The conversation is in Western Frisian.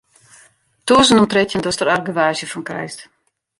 Tûzen om trettjin datst der argewaasje fan krijst.